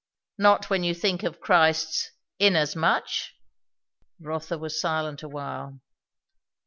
"Not when you think of Christ's 'Inasmuch'?" Rotha was silent a while.